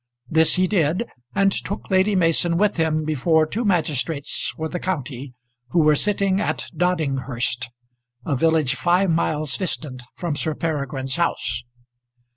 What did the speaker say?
This he did, and took Lady Mason with him before two magistrates for the county who were sitting at Doddinghurst, a village five miles distant from Sir Peregrine's house.